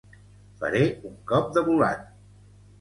Faré un cop de volant.